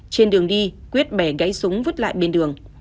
trên đường đi quyết bẻ gãy súng vứt lại bên đường